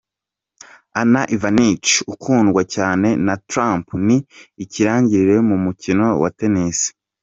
Ana Ivanovich ukundwa cyane na Trump ni ikirangirire mu mukino wa Tennis.